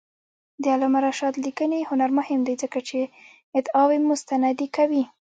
د علامه رشاد لیکنی هنر مهم دی ځکه چې ادعاوې مستندې کوي.